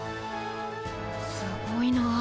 すごいな。